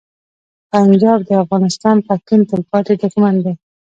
پنجاب د افغان پښتون تلپاتې دښمن دی.